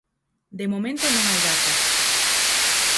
De momento non hai data.